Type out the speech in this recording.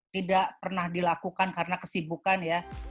tidak pernah dilakukan karena kesibukan ya